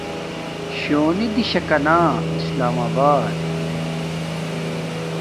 شونی دیشاکا نا اسلام آبات